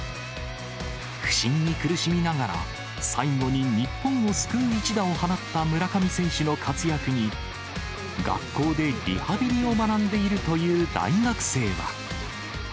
不振に苦しみながら、最後に日本を救う一打を放った村上選手の活躍に、学校でリハビリを学んでいるという大学生は。